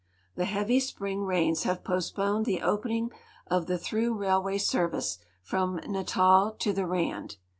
The heavy spring rains have postponed the opening of the through railway .service from Natal to the Rand.